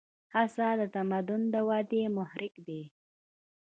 هڅه د تمدن د ودې محرک دی.